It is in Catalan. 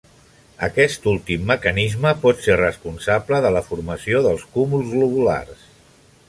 Aquest últim mecanisme pot ser responsable de la formació dels cúmuls globulars.